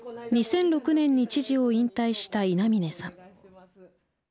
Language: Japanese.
２００６年に知事を引退した稲嶺さん。